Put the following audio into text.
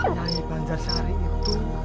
nyai banjar sehari itu